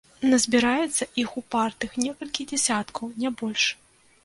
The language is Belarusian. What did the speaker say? Назбіраецца іх, упартых, некалькі дзесяткаў, не больш.